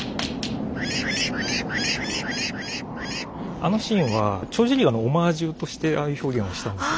あのシーンは「鳥獣戯画」のオマージュとしてああいう表現をしたんですね。